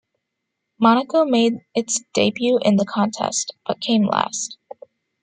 Monaco made its debut in the contest, but came last.